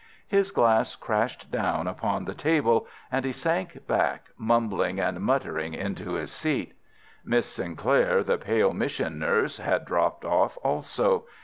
His glass crashed down upon the table, and he sank back, mumbling and muttering, into his seat. Miss Sinclair, the pale mission nurse, had dropped off also.